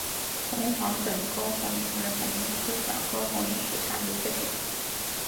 黄边短沟红萤为红萤科短沟红萤属下的一个种。